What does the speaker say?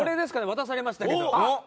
渡されましたけど。